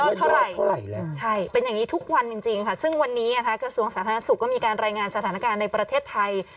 เท่าไหร่เท่าไหร่แล้วใช่เป็นอย่างนี้ทุกวันจริงค่ะซึ่งวันนี้นะคะกระทรวงสาธารณสุขก็มีการรายงานสถานการณ์ในประเทศไทย